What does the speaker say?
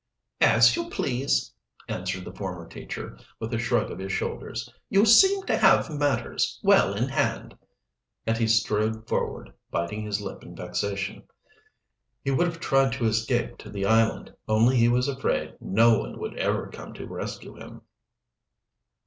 "As you please," answered the former teacher, with a shrug of his shoulders. "You seem to have matters well in hand." And he strode forward, biting his lip in vexation. He would have tried to escape to the island, only he was afraid no one would ever come to rescue him.